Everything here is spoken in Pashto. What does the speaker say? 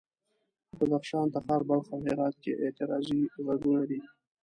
په بدخشان، تخار، بلخ او هرات کې اعتراضي غږونه دي.